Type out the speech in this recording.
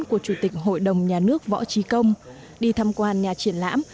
của chủ tịch hội đồng nhà nước võ trí công đi thăm quan nhà triển lãm